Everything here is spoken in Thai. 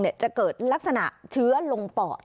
จะเกิดลักษณะเชื้อลงปอด